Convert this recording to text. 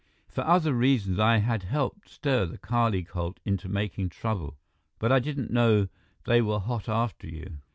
"For other reasons, I had helped stir the Kali cult into making trouble, but I didn't know they were hot after you.